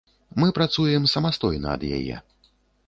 Мы працуем самастойна ад яе.